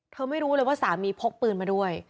ไม่รู้เลยว่าสามีพกปืนมาด้วย